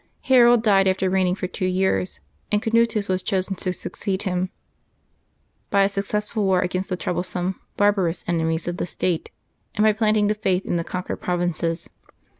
Harold died after reigning for two years, and Canutus was chosen to succeed him. He began his reign by a successful war against the troublesome, barbarous enemies of the state, and by planting the faith in the con quered provinces.